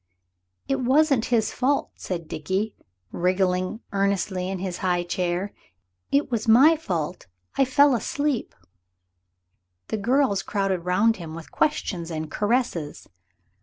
"It wasn't his fault," said Dickie, wriggling earnestly in his high chair; "it was my fault. I fell asleep." The girls crowded round him with questions and caresses.